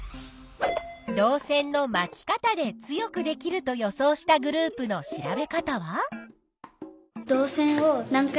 導線の「まき方」で強くできると予想したグループの調べ方は？